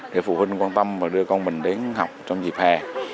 để phụ huynh quan tâm và đưa con mình đến học trong dịp hè